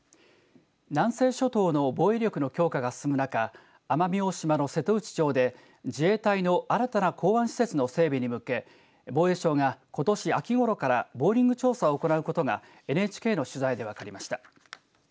南西諸島の防衛力の強化が進む中奄美大島の瀬戸内町で自衛隊の新たな港湾施設の整備に向け防衛省がことし秋ごろからボーリング調査を行うことがＮＨＫの取材で分かりました。